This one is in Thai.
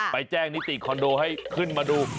ไปแจ้งนิติคอนโดให้ขึ้นมาดู